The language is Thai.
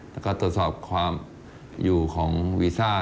แล้วก็ตรวจสอบความอยู่ของวีซ่า